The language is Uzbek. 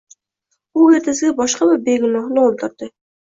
U ertasiga boshqa bir begunohni o’ldirdi.